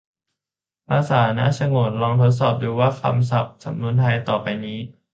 ภาษาน่าฉงน : ลองทดลองดูว่า คำศัพท์ สำนวนไทยต่อนี้ไป